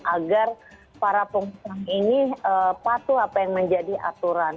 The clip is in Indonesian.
agar para pengusaha ini patuh apa yang menjadi aturan